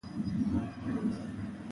استاد بینوا د ملت ویاند بلل کېږي.